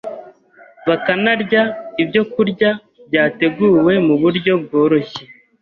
bakanarya ibyokurya byateguwe mu buryo bworoshye,